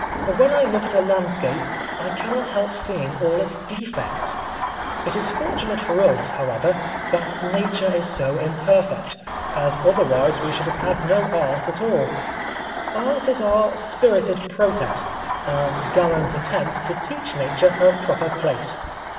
When I look at a landscape, I cannot help seeing all its defects. It is fortunate for us, however, that Nature is so imperfect, as otherwise we should have had no art at all. Art is our spirited protest, our gallant attempt to teach Nature her proper place.